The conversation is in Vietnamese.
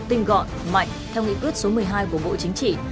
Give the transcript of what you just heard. tinh gọn mạnh theo nghị quyết số một mươi hai của bộ chính trị